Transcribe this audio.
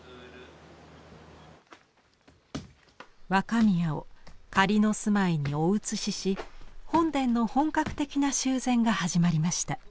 若宮を仮の住まいにお移しし本殿の本格的な修繕が始まりました。